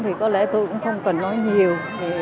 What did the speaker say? thì có lẽ tôi cũng không cần nói nhiều